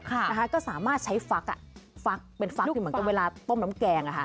ก็สามารถใช้ฟักเป็นฟักเหมือนกันเวลาต้มน้ำแกง